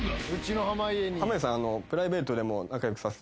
濱家さん。